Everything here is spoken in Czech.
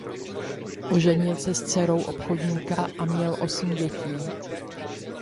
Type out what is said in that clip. Oženil se s dcerou obchodníka a měl osm dětí.